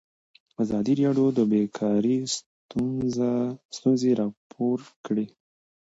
ازادي راډیو د بیکاري ستونزې راپور کړي.